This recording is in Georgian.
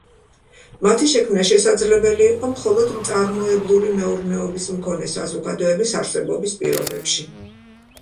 მათი შექმნა შესაძლებელი იყო მხოლოდ მწარმოებლური მეურნეობის მქონე საზოგადოების არსებობის პირობებში.